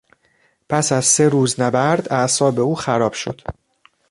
پس از سه روز نبرد اعصاب او خراب شد